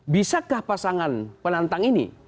bisakah pasangan penantang ini